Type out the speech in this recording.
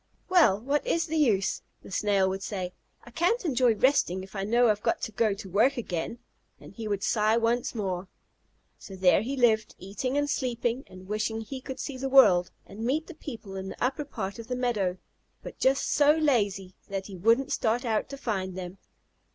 "Well, what is the use?" the Snail would say. "I can't enjoy resting if I know I've got to go to work again," and he would sigh once more. So there he lived, eating and sleeping, and wishing he could see the world, and meet the people in the upper part of the meadow, but just so lazy that he wouldn't start out to find them.